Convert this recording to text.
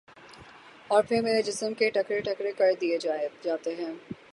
اور پھر میرے جسم کے ٹکڑے ٹکڑے کر دیے جاتے ہیں